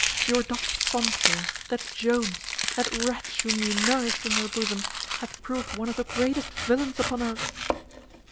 Your adopted son, sir, that Jones, that wretch whom you nourished in your bosom, hath proved one of the greatest villains upon earth."